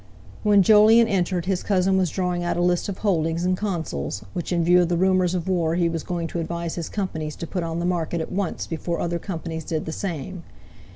When Jolyon entered, his cousin was drawing out a list of holdings in Consols, which in view of the rumours of war he was going to advise his companies to put on the market at once, before other companies did the same.